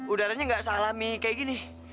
udaranya gak sealami kayak gini